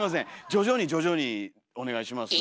徐々に徐々にお願いします。